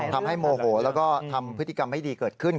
โมโหแล้วก็ทำพฤติกรรมไม่ดีเกิดขึ้น